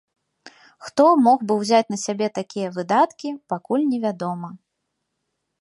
Хто мог бы ўзяць на сабе такія выдаткі, пакуль не вядома.